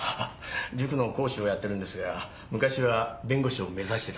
塾の講師をやってるんですが昔は弁護士を目指してたんですよ。